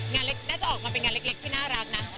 น่าจะออกมาเป็นงานเล็กที่น่ารักนะ